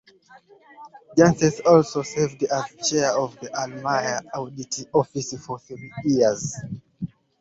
Jansen also served as chair of the Almere audit office for three years.